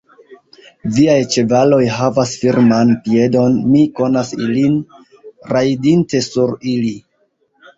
Viaj ĉevaloj havas firman piedon; mi konas ilin, rajdinte sur ili.